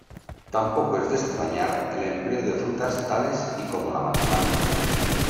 Tampoco es de extrañar el empleo de frutas tales y como la manzana.